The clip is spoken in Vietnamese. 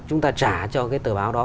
chúng ta trả cho cái tờ báo đó